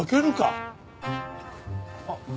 あっ。